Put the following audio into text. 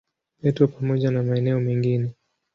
Petro pamoja na maeneo mengine.